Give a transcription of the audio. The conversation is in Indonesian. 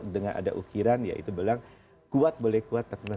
dengan ada ukiran ya itu bilang kuat boleh kuat